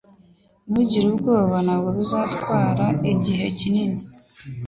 Ntugire ubwoba Ntabwo bizatwara igihe kinini